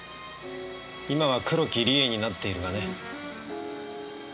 今は黒木梨絵になっているがね。